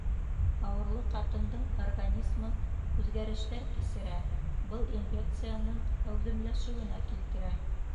Ауырлы ҡатындың организмы үҙгәрештәр кисерә, был инфекцияның әүҙемләшеүенә килтерә.